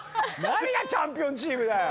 何がチャンピオンチームだよ！